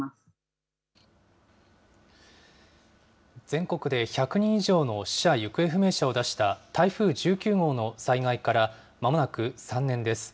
全国で１００人以上の死者・行方不明者を出した台風１９号の災害からまもなく３年です。